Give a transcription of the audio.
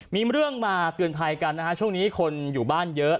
มีเรื่องมาเตือนภัยกันนะฮะช่วงนี้คนอยู่บ้านเยอะ